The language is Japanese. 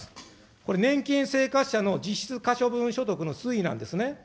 これ、年金生活者の実質可処分所得の推移なんですね。